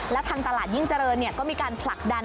แล้วทางตลาดยิ่งเจริญก็มีการผลักดัน